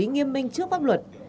nghiêm minh trước bác luật